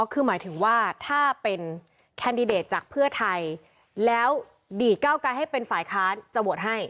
คือหมายถึงว่าถ้าเป็นแคนดิเดตจากเพื่อไทยแล้วดีดเก้าไกรให้เป็นฝ่ายค้านจะโหวตให้